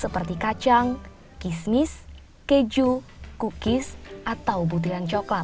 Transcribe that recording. seperti kacang kismis keju kukis atau butiran coklat